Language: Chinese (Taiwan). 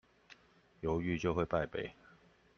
猶豫，就會敗北